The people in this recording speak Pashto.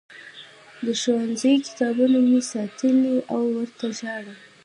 د ښوونځي کتابونه مې ساتلي او ورته ژاړم